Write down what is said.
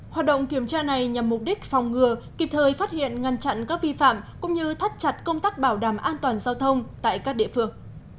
hoạt động kiểm tra này nhằm mục đích phòng ngừa kịp thời phát hiện ngăn chặn các vi phạm cũng như thắt chặt công tác bảo đảm an toàn giao thông tại các địa phương